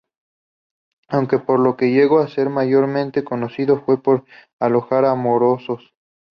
Aunque por lo que llegó a ser mayormente conocida fue por alojar a morosos.